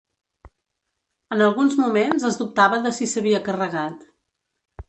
En alguns moments es dubtava de si s'havia carregat.